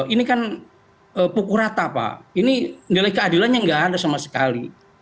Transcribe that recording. ini kan pukul rata pak ini nilai keadilannya nggak ada sama sekali